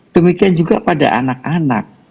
demikian juga pada anak anak